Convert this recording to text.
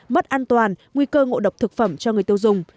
mất an toàn nguy cơ ngộ độc thực phẩm cho người tiêu dùng